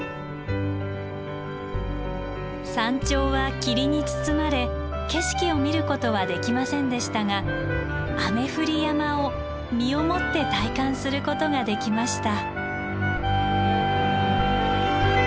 山頂は霧に包まれ景色を見ることはできませんでしたが「雨降り山」を身をもって体感することができました。